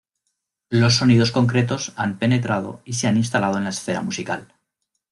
Los sonidos concretos han penetrado y se han instalado en la esfera musical.